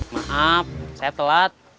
maaf saya telat